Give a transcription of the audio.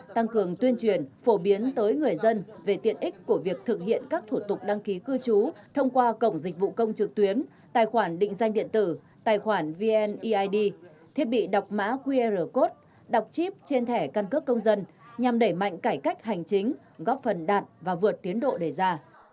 tăng cường tuyên truyền phổ biến tới người dân về tiện ích của việc thực hiện các thủ tục đăng ký cư trú thông qua cổng dịch vụ công trực tuyến tài khoản định danh điện tử tài khoản vneid thiết bị đọc mã qr code đọc chip trên thẻ căn cước công dân nhằm đẩy mạnh cải cách hành chính góp phần đạt và vượt tiến độ đề ra